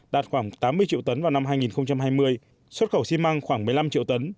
đạt khoảng tám mươi triệu tấn vào năm hai nghìn hai mươi xuất khẩu xi măng khoảng một mươi năm triệu tấn